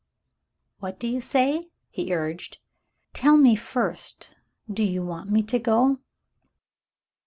"Wliat do you say .?" he urged. "Tell me first — do you want me to go